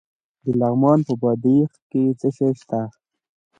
د لغمان په بادپخ کې څه شی شته؟